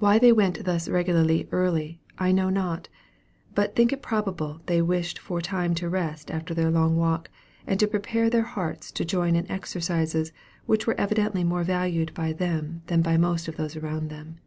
Why they went thus regularly early I know not, but think it probable they wished for time to rest after their long walk, and then to prepare their hearts to join in exercises which were evidently more valued by them than by most of those around them.